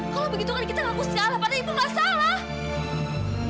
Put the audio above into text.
kalau begitu kan kita ngaku segala padahal ibu gak salah